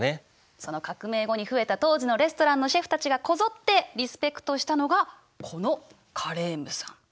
その革命後に増えた当時のレストランのシェフたちがこぞってリスペクトしたのがこのカレームさん。